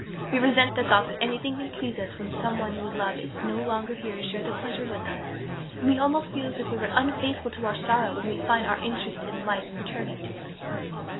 We resent the thought that anything can please us when someone we love is no longer here to share the pleasure with us, and we almost feel as if we were unfaithful to our sorrow when we find our interest in life returning to us."